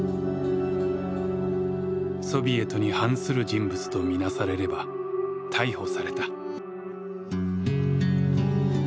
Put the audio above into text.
ソビエトに反する人物と見なされれば逮捕された。